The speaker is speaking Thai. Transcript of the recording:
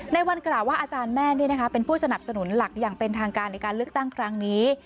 ในวันกล่าวว่าอาจารย์แม่เป็นผู้สนับสนุนหลักอย่างเป็นทางการในการเลือกตั้งครั้งนี้